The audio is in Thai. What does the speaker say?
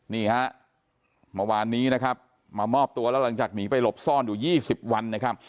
นี่ฮะเมื่อวานนี้นะครับมามอบตัวแล้วหลังจากหนีไปหลบซ่อนอยู่๒๐วันนะครับ